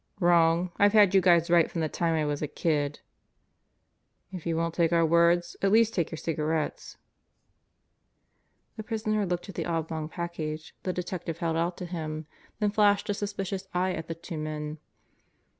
"Wrong? I've had you guys right from the time I was a kid." God Gathers His Instruments 17 "If you won't take our words, at least take your cigarettes." The prisoner looked at the oblong package the detective held out to him, then flashed a suspicious eye at the two men.